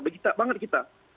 begitah banget kita